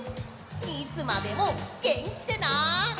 いつまでもげんきでな！